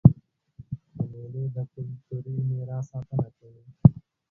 مېلې د کلتوري میراث ساتنه کوي.